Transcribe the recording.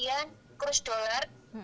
kemarin pada saat pengurusan pertama